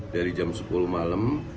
dari jam sepuluh malam